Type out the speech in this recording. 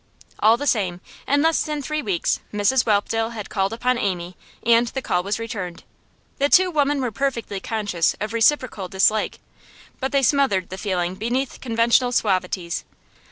All the same, in less than three weeks Mrs Whelpdale had called upon Amy, and the call was returned. The two women were perfectly conscious of reciprocal dislike, but they smothered the feeling beneath conventional suavities.